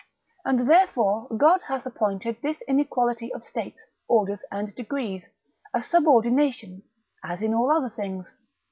And therefore God hath appointed this inequality of states, orders, and degrees, a subordination, as in all other things.